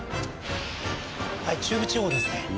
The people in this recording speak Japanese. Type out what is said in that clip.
はい中部地方ですね